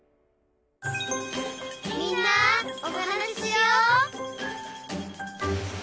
「みんなおはなししよう」